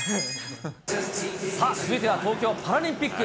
さあ続いては東京パラリンピック。